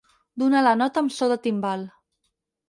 Donar la nota amb so de timbal.